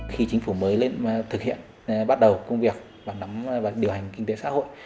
khi chính phủ mới lên thực hiện bắt đầu công việc và điều hành kinh tế xã hội